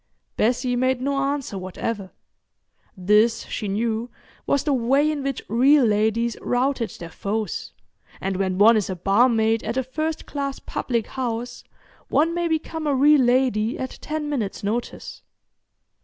Bessie made no answer whatever. This, she knew, was the way in which real ladies routed their foes, and when one is a barmaid at a first class public house one may become a real lady at ten minutes' notice.